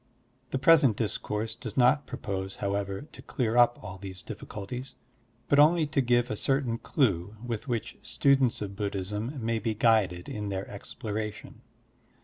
The present discourse does not propose, however, to clear up all these difficulties, but only to give a certain clue with which students of Buddhism may be guided in their exploration.